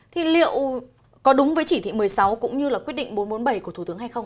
thì liệu có đúng với chỉ thị một mươi sáu cũng như là quyết định bốn trăm bốn mươi bảy của thủ tướng hay không